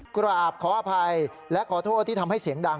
กราบขออภัยและขอโทษที่ทำให้เสียงดัง